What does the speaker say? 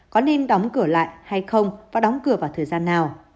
có nên đóng cửa lại hay không và đóng cửa vào thời gian nào